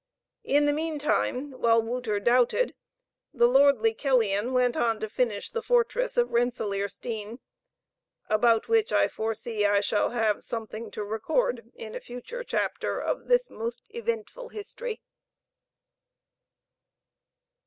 In the meantime, while Wouter doubted, the lordly Killian went on to finish his fortress of Rensellaersteen, about which I foresee I shall have something to record in a future chapter of this most eventful history.